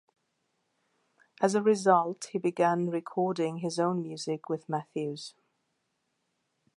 As a result, he began recording his own music with Matthews.